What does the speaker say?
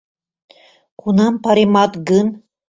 Кунам паремат гын?..